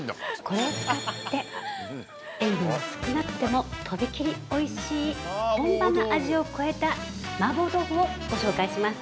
これを使って塩分が少なくても飛び切りおいしい本場の味を超えた麻婆豆腐をご紹介します。